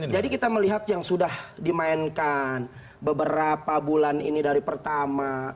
jadi kita melihat yang sudah dimainkan beberapa bulan ini dari pertama